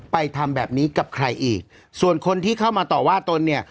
ทำแบบนี้กับใครอีกส่วนคนที่เข้ามาต่อว่าตนเนี่ย